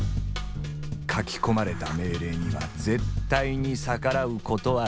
書き込まれた命令には絶対に逆らうことはできない。